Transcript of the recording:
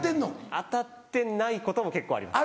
当たってないことも結構あります。